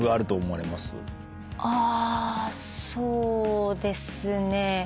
あそうですね。